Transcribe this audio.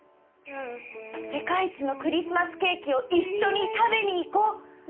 「世界一のクリスマスケーキを一緒に食べに行こう」。